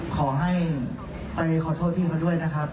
ขอให้ไปขอโทษพี่เขาด้วยนะครับ